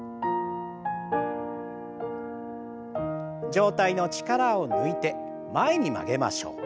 上体の力を抜いて前に曲げましょう。